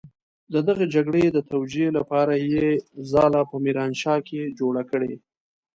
د دغې جګړې د توجيې لپاره يې ځاله په ميرانشاه کې جوړه کړې.